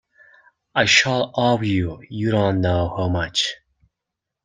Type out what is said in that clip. I shall owe you, you don't know how much.